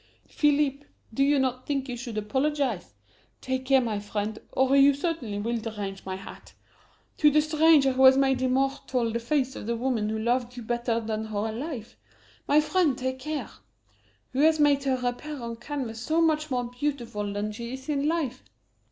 "Philippe, do you not think you should apologize take care, my friend, or you certainly will derange my hat! to the stranger who has made immortal the face of the woman who loved you better than her life my friend, take care! who has made her appear on canvas so much more beautiful than she is in life?"